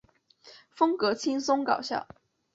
风格轻松搞笑。